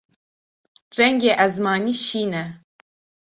Rengê ezmanî şîn e.